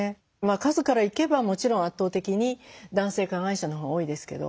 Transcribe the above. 数からいけばもちろん圧倒的に男性加害者のほうが多いですけど。